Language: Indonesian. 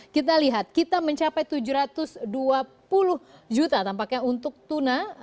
kita lihat kita mencapai tujuh ratus dua puluh juta tampaknya untuk tuna